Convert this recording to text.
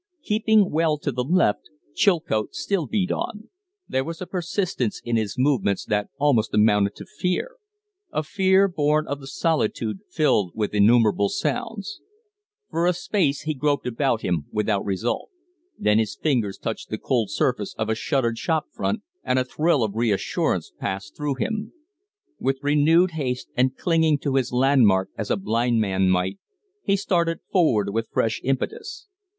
Keeping well to the left, Chilcote still beat on; there was a persistence in his movements that almost amounted to fear a fear born of the solitude filled with innumerable sounds. For a space he groped about him without result, then his fingers touched the cold surface of a shuttered shop front, and a thrill of reassurance passed through him. With renewed haste, and clinging to his landmark as a blind man might, he started forward with fresh impetus.